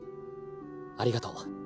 ありがとう。